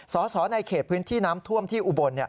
สสในเขตพื้นที่น้ำท่วมที่อุบล